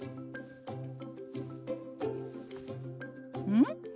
うん？